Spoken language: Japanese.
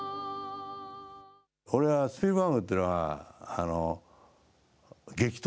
俺はスピルバーグっていうのは、激突！